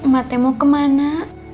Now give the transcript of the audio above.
mak teh mau ke mana